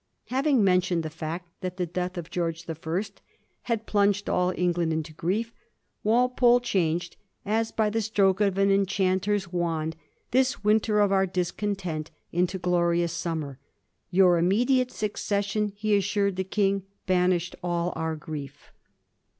Having mentioned the fact that the death of George the First had plunged all England into grief, Walpole changed, * as by the stroke of an enchanter's wand,' this winter of our discontent into glorious summer. ^ Your inmiediate succession,' he assured the King, * banished all our grief.'